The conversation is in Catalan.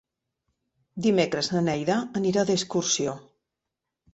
Dimecres na Neida anirà d'excursió.